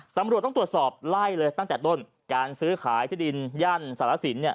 ตำรวจต้องตรวจสอบไล่เลยตั้งแต่ต้นการซื้อขายที่ดินย่านสารสินเนี่ย